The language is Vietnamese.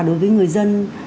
đối với người dân